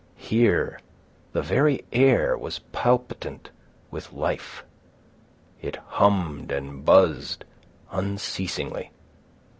Here the very air was palpitant with life. It hummed and buzzed unceasingly.